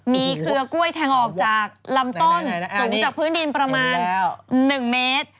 มีเครือกล้วยแทงออกจากลำต้นสูงจากพื้นดินประมาณ๑เมตร